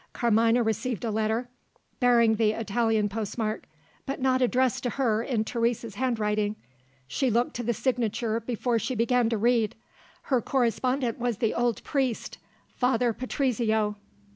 Carmina received a letter, bearing the Italian postmark, but not addressed to her in Teresa's handwriting. She looked to the signature before she began to read. Her correspondent was the old priest Father Patrizio.